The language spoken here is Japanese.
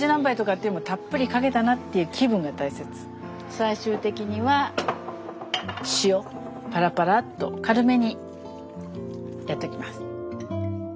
最終的には塩パラパラっと軽めにやっときます。